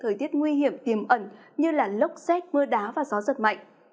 thời tiết nguy hiểm tiềm ẩn như lốc xét mưa đá và gió giật mạnh